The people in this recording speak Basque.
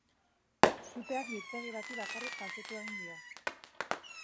Suteak biltegi bati bakarrik kaltetu egin dio.